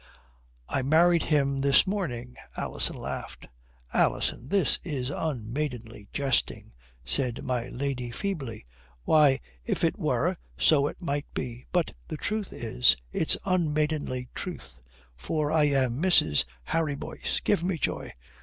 "I married him this morning," Alison laughed. "Alison, this is unmaidenly jesting," said my lady feebly. "Why, if it were, so it might be. But the truth is, it's unmaidenly truth. For I am Mrs. Harry Boyce. Give me joy."